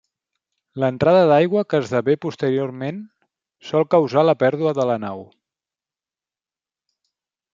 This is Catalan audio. L'entrada d'aigua que esdevé posteriorment sol causar la pèrdua de la nau.